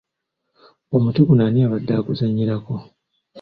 Omuti guno ani abadde aguzannyirako?